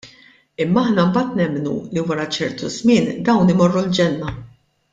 Imma aħna mbagħad nemmnu li wara ċertu żmien dawn imorru l-ġenna.